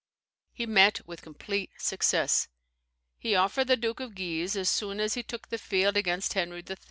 He met with complete success. He offered the Duke of Guise, as soon as he took the field against Henry III.